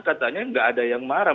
katanya nggak ada yang marah